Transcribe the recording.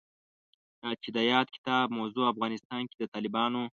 دا چې د یاد کتاب موضوع افغانستان کې د طالبانو